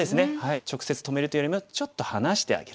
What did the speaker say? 直接止める手よりもちょっと離してあげる。